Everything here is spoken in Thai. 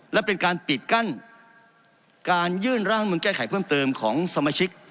และเป็นการปิดกั้นการยื่นร่างนุนแก้ไขเพิ่มเติมของสมาชิก